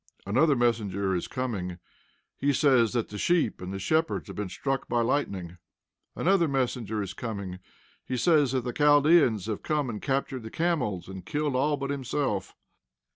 Another messenger is coming. He says that the sheep and the shepherds have been struck by lightning. Another messenger is coming. He says that the Chaldeans have come and captured the camels, and killed all but himself.